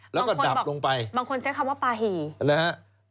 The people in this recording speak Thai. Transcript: แล้วก็ดับลงไปนะครับบางคนเชื่อคำว่าปากหี่